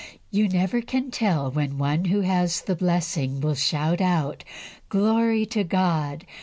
You never can tell when one who has the blessing will shout out, "Glory to God!